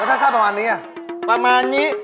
แล้วถ้าช่างประมาณนี้น่ะประมาณนี้